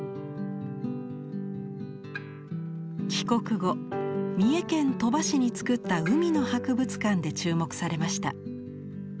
帰国後三重県鳥羽市につくった海の博物館で注目されました。